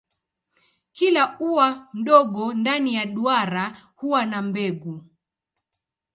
Kila ua mdogo ndani ya duara huwa na mbegu.